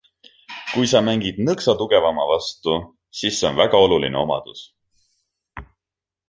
Kui sa mängid nõksa tugevama vastu, siis see on väga oluline omadus.